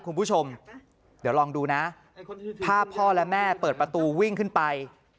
คุณผู้ชมเดี๋ยวลองดูนะภาพพ่อและแม่เปิดประตูวิ่งขึ้นไป